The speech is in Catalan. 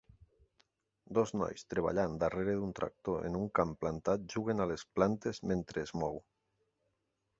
Dos nois treballant darrere d'un tractor en un camp plantat juguen a les plantes mentre es mou.